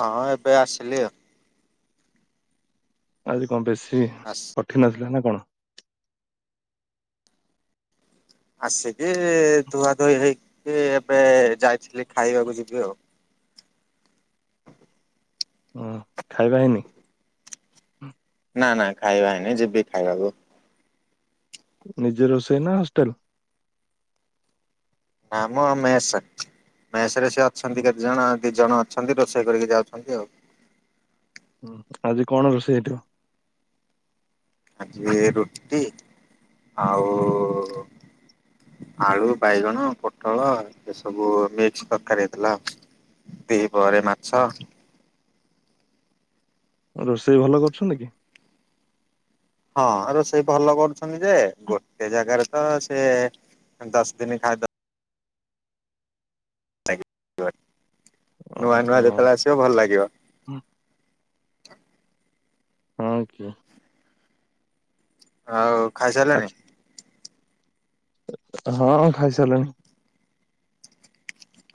ହଁ ଏବେ ଆସିଲି ଆଉ। ଆଜି କ ବେଶୀ। ଆସ୍ କଠିନ ଥିଲା ନା କଣ? ଆସିକି ଧୁଆ ଧୁଇ ହେଇକି ଏବେ ଯାଇଥିଲି ଖାଇବାକୁ ଯିବି ଆଉ। ହୁଁ। ଖାଇବା ହେଇନି। ନା ନା ଖାଇବାହେଇନି। ଯିବି ଖାଇବାକୁ। ନିଜେ ରୋଷେଇ ନା ହଷ୍ଟେଲ। ନା ମୋ ମେସ। ମେସ ରେ ସେ ଅଛନ୍ତି କେତେ? ଜଣ ଦି ଜଣ ଅଛନ୍ତି ରୋଷେଇ କରିକି ଯାଉଛନ୍ତି ଆଉ। ଆଜି କଣ ରୋଷେଇ ହେଇଠିବ। ଆଜି ରୁଟି ଆଉ ଆଳୁ ବାଇଗଣ ପୋଟଳ ଏ ସବୁ ମିକ୍ସ ତରକାର ହେଇଥିଲା ଆଉ। ଦି ପହରେ ମାଛ। ରୋଷେଇ ଭଲ କରୁଛନ୍ତି। ହଁ ରୋଷେଇ ଭଲ କରୁଛନ୍ତି ଯେ, ଗୋଟେ ଜାଗାରେ ତ ସେ ଦଶ ଦିନି ଖାଇଦ ନୂଆ ନୂଆ ଓହୋ ଯେତେବେଳେ ଆସିବ ଭଲ ଲାଗିବ। ହଁ। ଆଉ ଖାଇସାରିଲାଣି। ଆଚ୍ଛା ହଁ ଖାଇ ସାରିଲାଣି।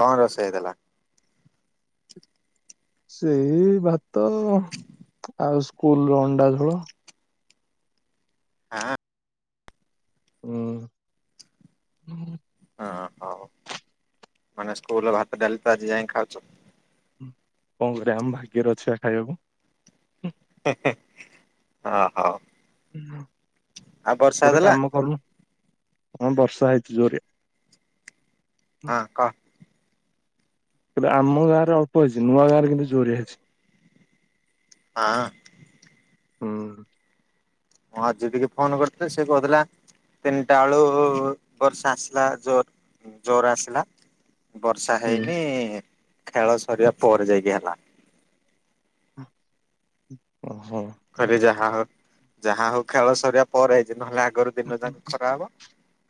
କଣ ରୋଷେଇ ହେଇଥିଲା? ସେଇ ଭାତ ଆଉ ସ୍କୁଲ ର ଅଣ୍ଡା ଝୋଳ। ଆଁ ହଁ। ହଁ ହଉ। ମାନେ ସ୍କୁଲ ଭାତ ଡାଲି ତ ଆଜି ଯାଇି ଖାଉଛ। କଣ କରିବା ଆମ ଭାଗ୍ୟରେ ଅଛି ଖାଇବାକୁ। ହଁ ହଉ। ଆଉ ବର୍ଷା ଗୋଟେ ହେଲା କାମ କରୁନୁ। କଣ ବର୍ଷା ହେଇଛି ଜୋରରେ? ହଁ କ? କିନ୍ତୁ ଆମ ଗଁରେ ଅଳ୍ପ ଅଛି ନୂଆ ଗାଁରେ କିନ୍ତୁ ଜୋରିଆ ହେଇଛି। ହାଁ। ହୁଁ। ହଁ ଆଜି ଟିକେ ଫୋନ କରିଥିଲେ ସେ କହୁଥିଲା ତିନିଟା ଆଳୁ ବର୍ଷା ଆସିଲା ଜୋର ଜୋର ଆସିଲା। ବର୍ଷା ହୁଁ ହେଇନି ଖେଳ ସରିବା ପରେ ଯାଇକି ହେଲା। ଉଁ ଉଁ ହୁଁ। ଖରେ ଯାହା ହଉ ଯାହା ହଉ ଖେଳ ସରିବା ପରେ ହେଇଛି ନହେଲେ ଆଗରୁ ଦିନ ଯାକ ଖରା ହବ।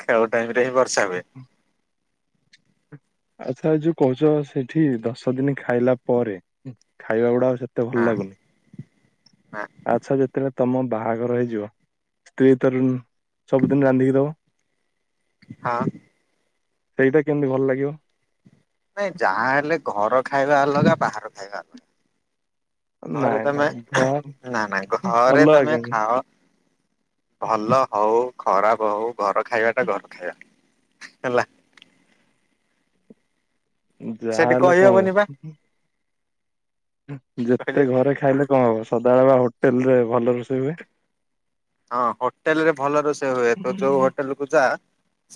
ଖେଳ ଟାଇମ ରେ ହିଁ ବର୍ଷା ହୁଏ। ଆଚ୍ଛା ଯୋଉ କହୁଛ ସେଠି ଦଶ ଦିନ ଖାଇଲା ପରେ ହୁଁ ଖାଇବା ଗୁଡା ସେ। ଏତେ ହଁ ଭଲଲାଗୁନି। ଆଚ୍ଛା ଯେତେବେଳେ ତମ ବାହାଘର ହେଇଯିବ ସ୍ତ୍ରୀ ତାର ଉଁ ସବୁଦିନ ରାନ୍ଧିକି ଦବ। ହଁ। ସେଇଟା କେମିତି ଭଲ ଲାଗିବ। ନାଇଁ ଯାହା ହେଲେ ଘର ଖାଇବା ଅଲଗା ବାହାର ଖାଇବା ଅଲଗା। ଘରେ ନାଇଁ ତମେ ନାଇଁ ଘର ନା ନା ଘରେ ଅଲଗା ତମେ କେମିତି ଖାଅ ଭଲ ହଉ ଖରାପ ହଉ ଘର ଖାଇବା ଟା ଘର ଖାଇବା ହେଲା। ସେଠି ଯାହାହେଲେ କଣ ହୁଁ କହିହବନି ବା ହୁଁ। ହୁଁ କହିଲେ ଯେତେ ଘରେ ଖାଇଲେ କଣ ହବ ସଦାବେଳେ ବା ହୋଟେଲରେ ଭଲ ରୋଷେଇ ହୁଏ। ହଁ ହୋଟେଲ ରେ ଭଲ ରୋଷେଇ ହୁଏ ତୁ ଯୋଉ ହୁଁ ହୋଟେଲ କୁ ଯା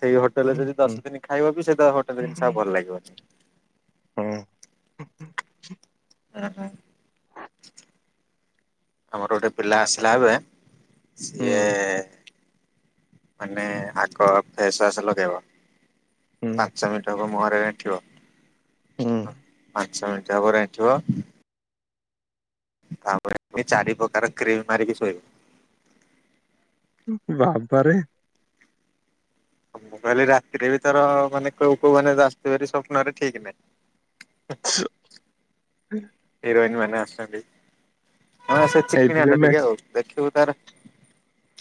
ସେଇ ହୋଟେଲରେ ଯଦି ହୁଁ ଦଶ ଦିନ ଖାଇବ ବି ସେ ଦ ହୋଟେଲ ଜିନିଷ ଆଉ ଭଲ ଲାଗିବନି। ହୁଁ ହୁଁ ହୁଁ ହୁଁ। ଓହୋ ଆମର ଗୋଟେ ପିଲା ଆସିଲା ଏବେ ହୁଁ ସିଏ ମାନେ ଆଗ ଫେସୱାସ ଲଗେଇବ ପାଞ୍ଚ ମିନିଟ୍ ହବ ମୁହଁରେ ରେନ୍ଥିବ ହଁ ହୁଁ। ପା ପଞ୍ଚ ମିଣ୍ଟି ହବ ରେନ୍ଥିବ ତାପରେ ନି ଚାରି ପ୍ରକାର କ୍ରିମ ମାରିକି ସୋଇବ। ବାବାରେ। ହଁ ମୁଁ କହିଲି ରାତିରେ ବି ତାର ମାନେ କୋଉ କୋଉ ମାନେ ଆସୁଥିବେରି ସ୍ୱପ୍ନରେ ଠିକ ନାହିଁ। ସ ହିରୋଇନ ମାନେ ଆସଛନ୍ତି ହଁ ସେ ଏଇଥିପାଇଁ ଚିକିଣିଆଟା ମେ ଟିକେ ଆଉ ଦେଖିବୁ ତାର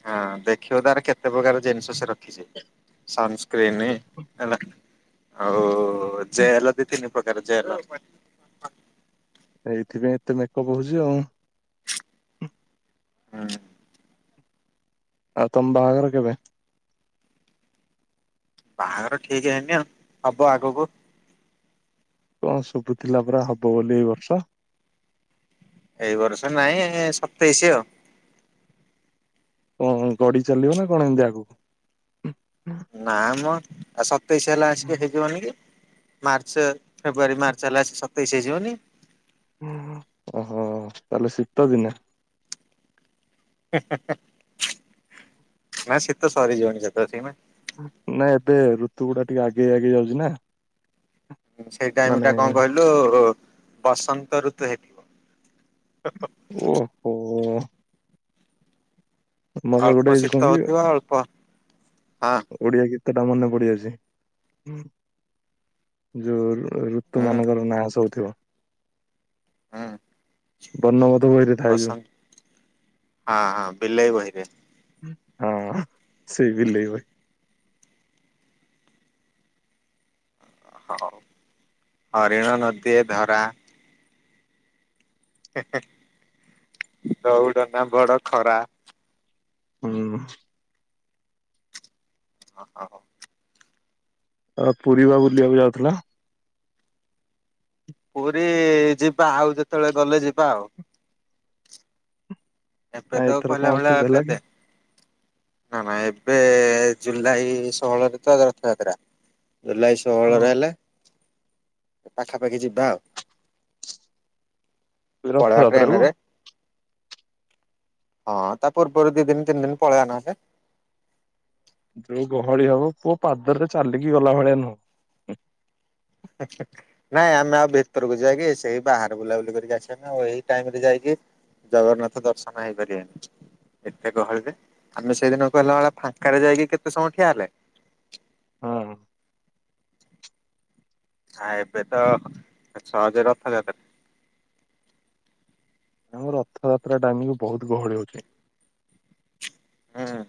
ହଁ ଦେଖିବୁ ତାର କେତେ ପ୍ରକାର ଜିନିଷ ସେ ରଖିଛି ସନ୍ କ୍ରିନି ହେଲା ଆଉ ଜେଲ ଦି ତିନି ପ୍ରକାର ଜେଲ [unintelligible] ଏଇଥିପାଇଁ ଏତେ ମେକପ୍ ହଉଛି ଆଉ। ହୁଁ। ଆଉ ତମ୍ ବାହାଘର ର କେବେ? ବାହାଘର ଠିକ ହେଇନି ଆଉ ହବ ଆଗକୁ। କଣ ଶୁଭୁଥିଲା ପରା ହବ ବୋଲି ଏଇ ବର୍ଷ? ଏଇ ବର୍ଷ ନାଇଁ ସତେଇଶି ଆଉ। ହୁଁ ଗଡି ଚାଲିବ ନା କଣ ଏମିତି ଆଗକୁ? ନା ମ ଆଉ ସତେଇଶି ହେଲା ଆସିକି ହେଇ ଯିବନି କି ମାର୍ଚ୍ଚ ଫେବୃଆରୀ ମାର୍ଚ୍ଚ ହେଲା ଆସିକି ସତେଇଶ ହେଇଯିବନି। ଉଁ ହୁଁ ଓହୋ ତାହେଲେ ଶୀତ ଦିନେ? ନା ଶୀତ ସରି ଯଉଣି [unintelligible] ନାଇ ଏବେ ଋତୁ ଗୁଡା ଟିକେ ଆଗେଇ ଆଗେଇ ଯାଉଛି ନା। ସେଇ ଟାଇମ ମାନେ ଟା କଣ କହିଲୁ ବସନ୍ତ ଋତୁ ହେଇଥିବ। ଓହୋ ମୋର ଗୋଟେ ଅଳ୍ପ କଣ ଶୀତ କି ହଉଥିବା ଅଳ୍ପ ହଁ ଓଡିଆ ଗୀତ ଟା ମନେ ପଡି ଅଛି। ଯେଉ ହୁଁ ଋତୁମାନଙ୍କର ନା ଶବୁ ଥିବ। ହୁଁ ବର୍ଣ୍ଣବଧ ବହିରେ ଥାଉଛି। ଆ ହା ବିଲେଇ ବହିରେ। ହଁ ସେଇ ବିଲେଇ ବ ହଉ ହରିଣ ନଦୀ ଧରା। ଦଉଡନା ବଡ ଖରା। ହୁଁ। [inaudible] ପୁରିବା ବୁଲିବାକୁ ଯାଉଥିଲ? ପୁରୀ ଯିବା ଆଉ ଯେତେବେଳେ ଗଲେ ଯିବା ଆଉ। ଏବେତ ଏଥର କଣ କହିଲା ଭଳିଆ ଅସୁବିଧା ଆଉ ହେଲା କି? କେତେ ନା ନା ଏବେ ଜୁଲାଇ ଷୋହଳରେ ତ ରଥଯାତ୍ରା। ଜୁଲାଇ ହଁ ଷୋଳରେ ହେଲା। ପାଖାପାଖି ଯିବା ଆଉ। ପଳେଇବା ରଥଯାତ୍ରା ଟ୍ରେନ କୁ ରେ। ହଁ ତା ପୂର୍ବରୁ ଦୁଇ ଦିନ ତିନି ଦିନ ପଳେଇବା ନ ହେଲେ। ଯୋଉ ଗହଳି ହବ ପୁଅ ପାଦରେ ଚାଲିକି ଗଲା ଭଳିଆ ନୁହଁ। ଆଚ୍ଛା। ନାଇଁ ଆମେ ଆଉ ଭିତରକୁ ଯାଇକି ସେଇ ବାହାର ବୁଲାବୁଲି କରିକି ଆସିବାନା ଆଉ ଏଇ ଟାଇମରେ ଯାଇକି ଜଗନ୍ନାଥ ଦର୍ଶନ ହେଇପାରିବନି। ଏତେ ଗହଳିରେ ଆମେ ସେଇଦିନ କଲାଭଳିଆ ଫାଙ୍କାରେ ଯାଇକି କେତେ ସମୟ ଠିଆ ହେଲେ। ହଁ ଆ ଏବେ ତ ଛଅଯେ ରଥାଯାତ୍ରା। ଆମର ରଥଯାତ୍ରା ଟାଇମରେ ବହୁତ ଗହଳି ହୋଉଛି। ହୁଁ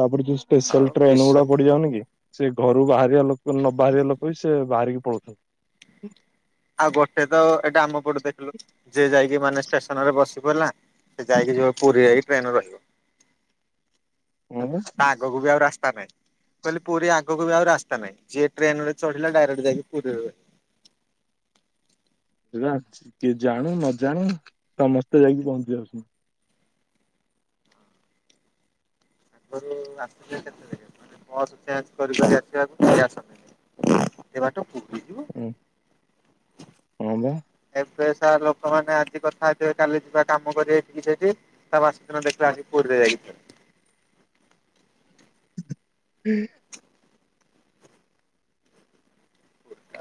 ତାପରେ ଯୋଉ ଆଉ ସ୍ପେଶାଲ ଟ୍ରେନ ବିଶ୍ଵ ଗୁଡ଼ା ପଡ଼ି ଯାଉନି କି। ସେ ଘରୁ ବାହାରିବା ଲୋକ ନ ବାହାରିବା ଲୋକ ବି ସେ ବାହାରିକି ପଳଉଛନ୍ତି। ଆଉ ଗୋଟେ ତ ଏଇଟା ଆମ ପଟୁ ଦେଖିଲୁ ଯିଏ ଯାଇକି ମାନେ ଷ୍ଟେସନ ରେ ବସି ପଡ଼ିଲା। ସେ ଯାଇକି ଯିବ ପୁରୀ ଟ୍ରେନ ରହିବ। ହଁ ଆଗକୁ ବି ଆଉ ରାସ୍ତା ନାହିଁ। କହିଲେ ପୁରୀ ଆଗକୁ ବି ଆଉ ରାସ୍ତା ନାହିଁ ଯିଏ ଟ୍ରେନରେ ଚଢ଼ିଲା ଡାଇରେକ୍ଟ ଯାଇକି ପୁରୀରେ। ସେଟା କିଏ ଜାଣି ନଜାଣି ସମସ୍ତେ ଯାଇକି ପହଞ୍ଚି ଯାଉଛନ୍ତି। [unintelligible] ଏତେ ବାଟ ପୁରୀ ଯିବ। ହୁଁ ହଁ ବା। ଏବେ ସା ଲୋକମାନେ ଆଜି କଥା ହେଇଥିବେ କାଲି ଯିବା କାମ କରିବେ ଏଠି ସେଠି। ତା ବେଶିଦିନ ଦେଖିଲା ଆସିକି ପୁରୀରେ ଯାଇକି ଥିବେ। ହୁଁ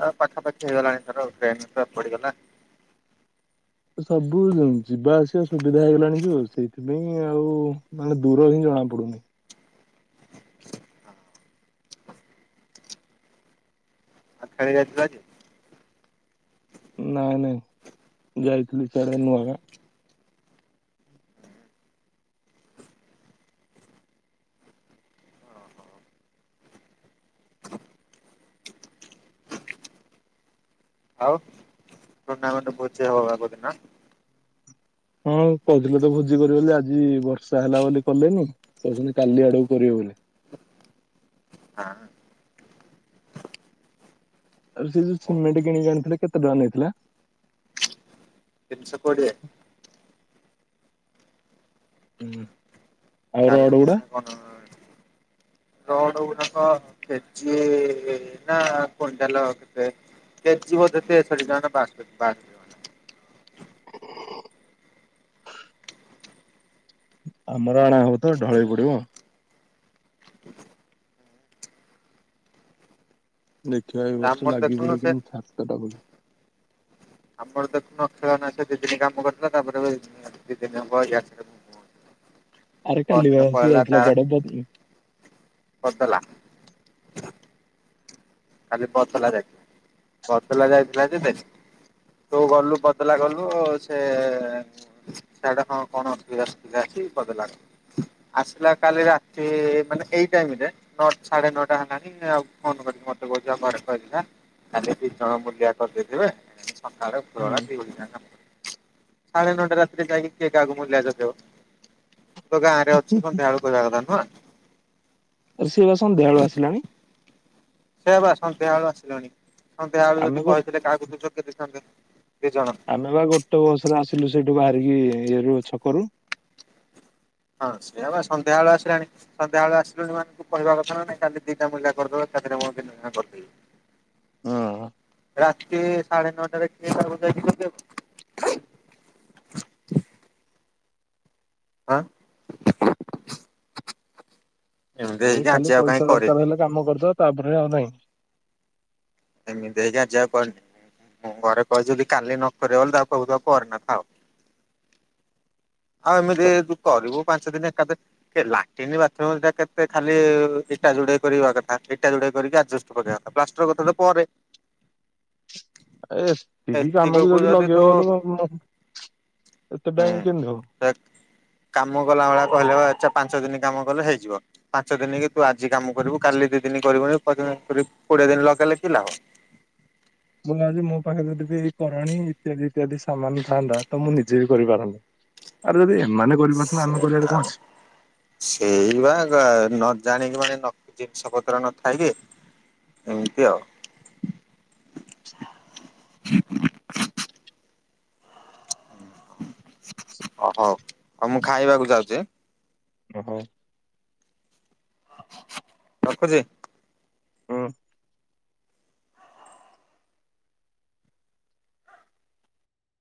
ଆଉ ପାଖାପାଖି ହେଇଗଲାଣି [unintelligible] ପଡ଼ିଗଲା। ସବୁ ଯିବାଆସିବା ସୁବିଧା ହେଇଗଲାଣି ଯଉ ସେଇଥିପାଇଁ ଆଉ ମାନେ ଦୂର ହିଁ ଜଣା ପଡୁନି। ଆ ଖେଳି ଯାଇଥିଲା କି? ନାଇଁ ନାଇଁ ଯାଇଥିଲି ସେ ଆଡ଼େ ନୂଆଗାଁ। ଆଉ ଟୁର୍ଣ୍ଣାମେଣ୍ଟ୍ ଭୋଜି ହବ ପା କଉ ଦିନ? ହଁ କହୁଥିଲେ ତ ଭୋଜି କରିବେ ବୋଲି ଆଜି ବର୍ଷା ହେଲା ବୋଲି କଲେନି। କହୁଚନ୍ତି କାଲି ଆଡକୁ କରିବେ ବୋଲି। ହଁ। ଆଉ ସେ ଯଉ ହଉ। ସିମେଣ୍ଟ କିଣିକି ଆଣିଥିଲେ କେତେ ଟଙ୍କା ନେଇଥିଲା? ତିନିଶ କୋଡ଼ିଏ। ହୁଁ। [unintelligible] ରଡ୍ ଗୁଡ଼ାକ କେଜି ନା କୁଇଣ୍ଟାଲ କେତେ? କେଜି ବୋଧେ ତେଷଠି ଟଙ୍କା ନା ବାସ୍ତରି-ବାସ୍ତରି। ଆମର ଆଣାହବ ତ ଢଳେଇ ପଡ଼ିବ। ଦେଖିବା ଏ ବର୍ଷ ଆମର ଲାଗି ଦେଖୁନୁ ପଡ଼ି କି ସେ କେମିତି ମୁଁ ଛାତଟା କରିଦେବି। ଆପଣ ଦେଖୁନ ଅକ୍ଷୟ ନା ଦି ଦିନି କାମ କରିଥିଲା ତାପରେ ବି ଦି ଦିନ ହେବ ଇଆଡ଼େ ସିଆଡ଼େ [inaudible] ଆରେ କାଲି ବା ସିଏ ଯାଇଥିଲା କୁଆଡ଼େ [unintelligible] କରିଦେଲା। କାଲି ବନ୍ତଲା ଯାଇଥିଲା ବନ୍ତଲା ଯାଇଥିଲା ଯେ ଦେଖି ହଉ ଗଲୁ ପତଳା ଗଲୁ ଆଉ ସେ [unintelligible] ଆସିଲା କାଲି ରାତି ମାନେ ଏଇ ଟାଇମ୍ ରେ ନଅଟା ସାଢେ ନଅଟା ହେଲାଣି ଆଉ ଫୋନ୍ କରିକି ମତେ କହୁଚି ଆଉ ଘରେ କହି ଦେଇଥା। କାଲି ଦି ଜଣ ମୂଲିଆ କରିଦେଇଥିବେ ସକାଳେ ଉପର ବେଳା ଦିଓଳି କାମ। [unintelligible] ସାଢେ ନ ଟା ରାତିରେ ଯାଇ କି କିଏ କାହାକୁ ମୂଲିଆ ଯୋଗେଇବ। ତୁ ତ ଗାଁ ରେ ଅଛୁ ସନ୍ଧ୍ୟା ବଳକୁ କହିବା କଥା ନୁହଁ। ସିଏ ବା ସନ୍ଧ୍ୟାବଳୁ ଆସିଲାଣି। ସେଇବା ସନ୍ଧ୍ୟାବେଳୁ ଆସିଲୁଣି ସନ୍ଧ୍ୟାବେଳୁ ଆମେ ଯଦି ଗୋ କହିଥିଲେ କାହାକୁ [unintelligible] ଜଣ। ଆମେ ବା ଗୋଟେ ବସ୍ ରେ ଆସିଲୁ ସେଇଠୁ ବାହାରିକି ଇଏ ରୁ ଛକରୁ। ହଁ ସେଇ ବା ସନ୍ଧ୍ୟାବଳୁ ଆସିଲାଣି। ସନ୍ଧ୍ୟାବେଳୁ ଆସିଲୁଣି ମାନେ ତୁ କହିବା କଥା ନା ନାଇଁ କାଲି ଦି ଟା ମୂଲିଆ କରିଦେବା [unintelligible] ମୁଁ କରିଦେବି। ହଁ। ରାତି ସାଢେ ନଅଟାରେ କିଏ କାହାକୁ ଯାଇକି ଖୋଜିବ। ଆଁ। ଇଏ ଖାଲି କାହିଁ ପଇସା ଦରକାର୍ କରିନି। ହେଲେ କାମ କରିଦେ ତାପରେ ଆଉ ନାହିଁ। ଏମିତି ହେଇକି ଆଜି ଆଉ କରିନି ମୁଁ ଘରେ କହିଚି ଯଦି କାଲି ନକରିବ ବଲେ ତାକୁ କହିବୁ ତୁ ଆଉ କରନା ଥାଉ। ଆଉ ଏମିତି କରିବୁ ପାଞ୍ଚ ଦିନ ଏକାଦିନ୍ ଏ ଲାଟିନ୍ ବାଥରୁମ୍ ଟା କେତେ ଖାଲି ଇଟା ଯୋଡେଇ କରିବା କଥା କରିକି ଯୋଡେଇ କରିକି ଆଜିବେଷ୍ଟ୍ [unintelligible] ପ୍ଲାଷ୍ଟର୍ କଥା ତ ପରେ। ଏ- ଏତିକି କାମକୁ ଏତିକକୁ ଯଦି ତୁ ଲଗେଇବ [unintelligible] ଏତେ ଟାଇମ୍ କେମତି ହବ। [unintelligible] କାମ କଲା ଭଳିଆ କହିଲେ ଆଚ୍ଛା ପାଞ୍ଚ ଦିନି କାମ କଲେ ହେଇଯିବ। ପାଞ୍ଚ ଦିନ କି ତୁ ଆଜି କାମ କରିବୁ କାଲି ଦି ଦିନ କରିବୁନିି [unintelligible] କୋଡିଏ ଦିନ ଲଗେଇଲେ କି ଲାଭ। ମୁଁ ଭାବଛି ମୋ ପାଖରେ ଯଦି ବି ଏଇ କରାଣୀ ଇତ୍ୟାଦି ଇତ୍ୟାଦି ସମାନ ଥାନ୍ତା ତ ମୁଁ ନିଜେ ବି କରିପାରନ୍ତିି। ଆର୍ ଯଦି ଏମାନେ କରିପାରୁଛନ୍ତି ଆମେ ସେଇଆ କରିବାରେ ମ। କଣ ଅଛି। ସେଇ ବା ନ ଜାଣିକି ମାନେ ଜିନିଷ ପତ୍ର ନଥାଏ କି ଏମିତି ଆଉ। ଓହୋ ହଉ ମୁଁ ଖାଇବାକୁ ଯାଉଛି। ଓହୋ। ରଖୁଛି। ହୁଁ।